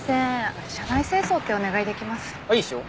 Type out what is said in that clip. あっいいっすよ。